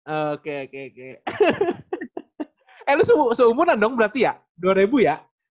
oke oke oke eh lu seumuran dong berarti ya dua ribu ya